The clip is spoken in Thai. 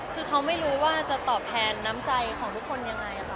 คือเขาไม่รู้ว่าจะตอบแทนน้ำใจของทุกคนยังไงค่ะ